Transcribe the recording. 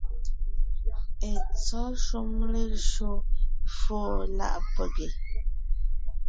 Etsɔ́ shúm lejÿo fóo láʼ pege,